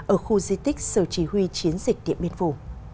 ở khu di tích sở chỉ huy chiến dịch điện biên phủ